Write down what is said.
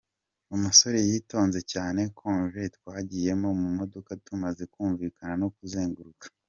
Umusore yitonze cyane “Convoyeur, twagiyemo mu modoka tumaze kumvikana ko uzenguruka.